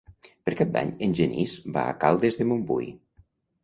Per Cap d'Any en Genís va a Caldes de Montbui.